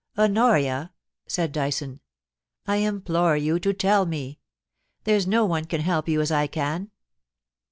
' Honoria !' said Dysoa ' I implore you to tell me. There's no one can help you as I can.